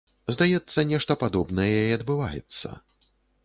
Здаецца, нешта падобнае і адбываецца.